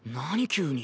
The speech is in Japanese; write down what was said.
急に。